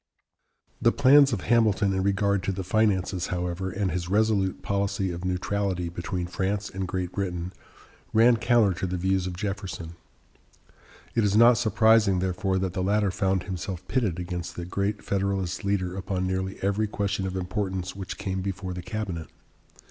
The plans of Hamilton in regard to the finances, however, and his resolute policy of neutrality between France and Great Britain, ran counter to the views of Jefferson. It is not surprising, therefore, that the latter found himself pitted against the great Federalist leader upon nearly every question of importance which came before the cabinet.